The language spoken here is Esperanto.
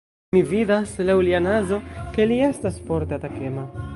Mi vidas laŭ lia nazo, ke li estas forte atakema.